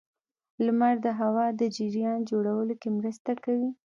• لمر د هوا د جریان جوړولو کې مرسته کوي.